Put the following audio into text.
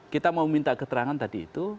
kita mau minta keterangan tadi itu